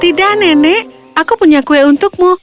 tidak nenek aku punya kue untukmu